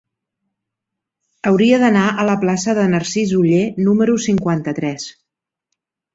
Hauria d'anar a la plaça de Narcís Oller número cinquanta-tres.